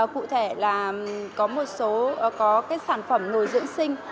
cụ thể là có một số có cái sản phẩm nồi dưỡng sinh